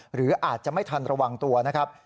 หรืออาจจะไม่ทันระวังตัวนะครับ